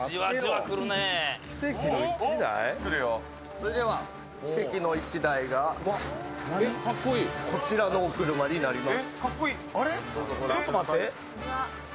それでは奇跡の１台がこちらのお車になります。